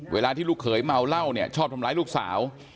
เวลาที่ลูกเขยเมาเหล้าเนี่ยชอบทำร้ายลูกสาว